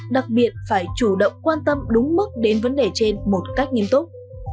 đặc biệt phải chủ động quan tâm đúng mức đến vấn đề trên một cách nghiêm túc